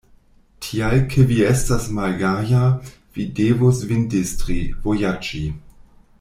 Tial ke vi estas malgaja, vi devus vin distri, vojaĝi.